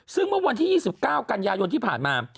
ซึ่งเมื่อวันที่๒๙กันยายนที่ผ่านมา